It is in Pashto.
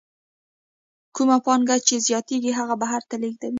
کومه پانګه یې چې زیاتېږي هغه بهر ته لېږدوي